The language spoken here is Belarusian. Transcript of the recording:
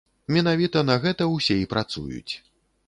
Менавіта на гэта ўсе і працуюць.